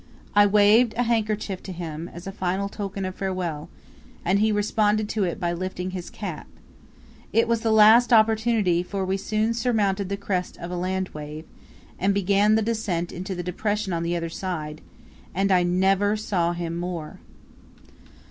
I waved a handkerchief to him, as a final token of farewell, and he responded to it by lifting his cap. It was the last opportunity, for we soon surmounted the crest of a land wave, and began the descent into the depression on the other side, and I NEVER saw him more.